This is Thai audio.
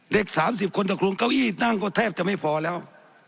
๓๐คนตกลงเก้าอี้นั่งก็แทบจะไม่พอแล้ว